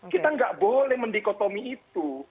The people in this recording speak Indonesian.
kita nggak boleh mendikotomi itu